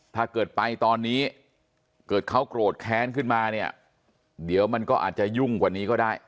ถ้าเกิดไปตอนนี้เกิดเขาโกรธแค้นขึ้นมาเนี่ยเดี๋ยวมันก็อาจจะยุ่งกว่านี้ก็ได้